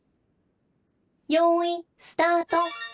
「よいスタート！」。